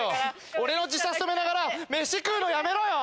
俺の自殺止めながら飯食うのやめろよ！